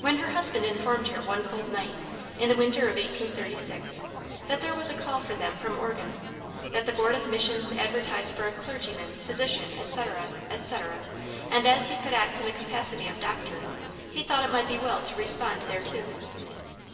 When her husband informed her one cold night, in the winter of 1836, that there was a call for them from Oregon; that the Board of Missions advertised for a clergyman, physician, etc., etc., and as he could act in the capacity of doctor, he thought it might be well to respond thereto.